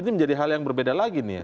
ini menjadi hal yang berbeda lagi nih